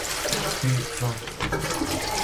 три два